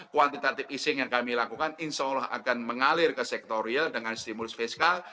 quantitative easing yang kami lakukan insya allah akan mengalir ke sektorial dengan stimulus fiskal